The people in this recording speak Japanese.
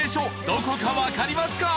どこかわかりますか？